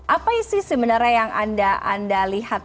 apa sih sebenarnya yang anda lihat